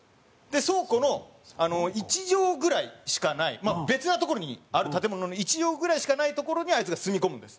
倉庫の１畳ぐらいしかない別な所にある建物の１畳ぐらいしかない所にあいつが住み込むんです。